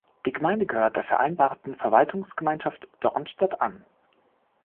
Die Gemeinde gehört der Vereinbarten Verwaltungsgemeinschaft Dornstadt an.